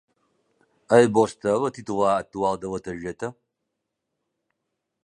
És vostè la titular actual de la targeta?